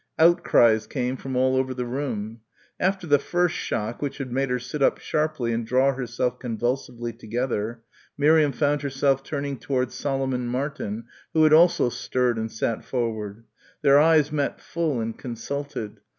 Outcries came from all over the room. After the first shock which had made her sit up sharply and draw herself convulsively together, Miriam found herself turning towards Solomon Martin who had also stirred and sat forward. Their eyes met full and consulted.